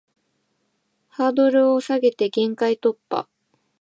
ハードルを下げて限界突破